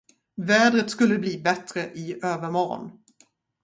Vädret skulle bli bättre i övermorgon.